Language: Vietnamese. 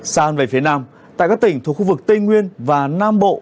xa hẳn về phía nam tại các tỉnh thuộc khu vực tây nguyên và nam bộ